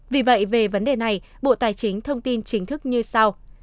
vì vậy về vấn đề này bộ tài chính thông tin chính thức như sau